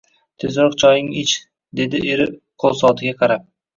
Tezroq choyingni ich, dedi eri qo`lsoatiga qarab